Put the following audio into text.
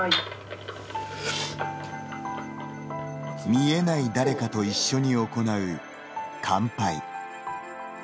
見えない誰かと一緒に行う乾杯。